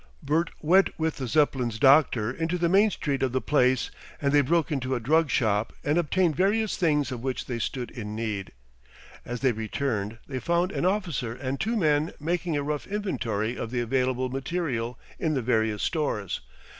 Bert went with the Zeppelin's doctor into the main street of the place, and they broke into a drug shop and obtained various things of which they stood in need. As they returned they found an officer and two men making a rough inventory of the available material in the various stores.